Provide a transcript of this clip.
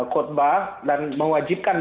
khutbah dan mewajibkan